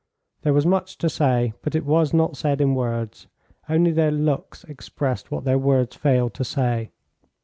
There was much to say, but it was not said in words; only their looks expressed what their words failed to say.